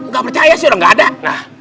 nggak percaya sih udah gak ada